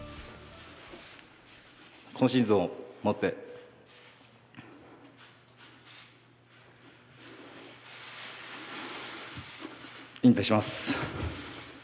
今シーズンをもって、引退します。